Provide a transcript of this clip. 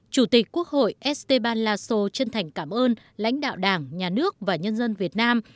chủ tịch quốc hội esteban laso chân thành cảm ơn lãnh đạo đảng nhà nước và nhân dân việt nam